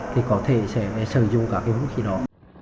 thì có thể sẽ sử dụng các cái vũ khí đó